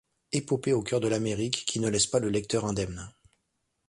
Épopée au cœur de l'Amérique, qui ne laisse pas le lecteur indemne.